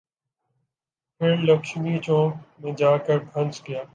پھر لکشمی چوک میں جا کے پھنس گیا۔